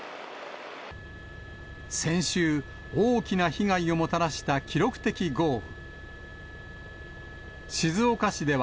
先週、大きな被害をもたらした記録的豪雨。